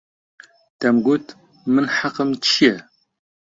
دەمگوت: من حەقم چییە؟